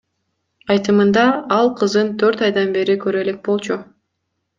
Айтымында, ал кызын төрт айдан бери көрө элек болчу.